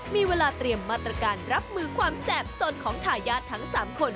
มีเวลาเตรียมมาตรการรับมือความแสบสนของทายาททั้ง๓คน